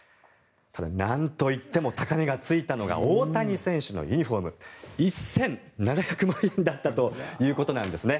なんといっても高値がついたのが大谷選手のユニホーム１７００万円だったということです。